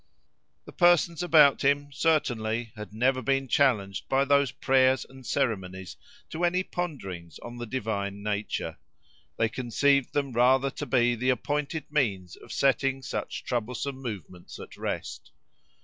The persons about him, certainly, had never been challenged by those prayers and ceremonies to any ponderings on the divine nature: they conceived them rather to be the appointed means of setting such troublesome movements at rest.